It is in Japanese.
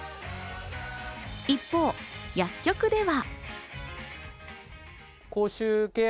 一方、薬局では。